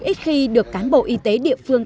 ít khi được cán bộ y tế địa phương